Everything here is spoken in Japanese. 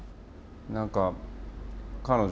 何か彼女